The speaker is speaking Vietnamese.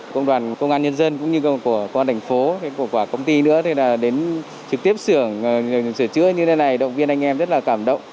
công đoàn công an nhân dân cũng như công an đảnh phố công ty nữa đến trực tiếp sửa chữa như thế này động viên anh em rất là cảm động